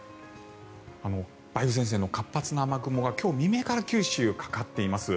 梅雨前線の活発な雨雲が今日未明から九州にかかっています。